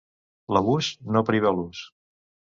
L'abús no priva l'ús.